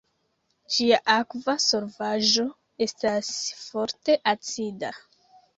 Ĝia akva solvaĵo estas forte acida.